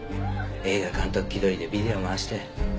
映画監督気取りでビデオ回して。